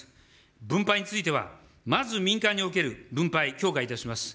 分配については、まず民間における分配、強化いたします。